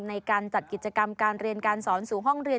ในการจัดกิจกรรมการเรียนการสอนสู่ห้องเรียน